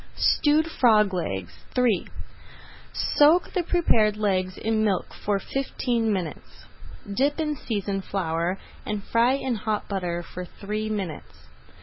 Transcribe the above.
STEWED FROG LEGS III Soak the prepared legs in milk for fifteen minutes, dip in seasoned flour, and fry in hot butter for three minutes.